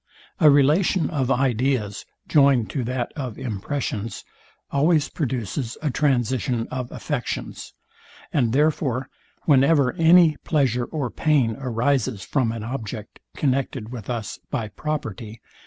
A relation of ideas, joined to that of impressions, always produces a transition of affections; and therefore, whenever any pleasure or pain arises from an object, connected with us by property.